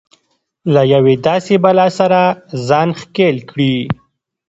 له يوې داسې بلا سره ځان ښکېل کړي.